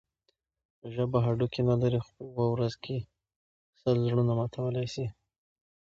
ژبه هډوکی نه لري؛ خو په یوه ورځ کښي سل زړونه ماتولای سي.